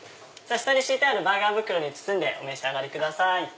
下に敷いてあるバーガー袋に包んでお召し上がりください。